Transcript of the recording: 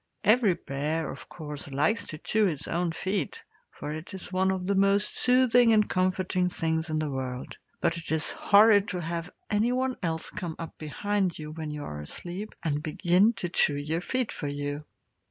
Every bear, of course, likes to chew his own feet, for it is one of the most soothing and comforting things in the world; but it is horrid to have anyone else come up behind you, when you are asleep, and begin to chew your feet for you.